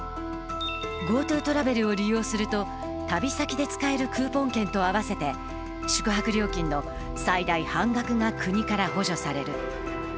ＧｏＴｏトラベルを利用すると、旅先で使えるクーポン券と合わせて宿泊料金の最大半額が国から補助される。